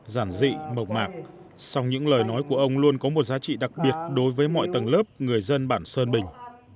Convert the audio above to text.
giản dị mộc mạc song những lời nói của ông luôn có một giá trị đặc biệt đối với mọi tầng lớp người dân bản sơn bình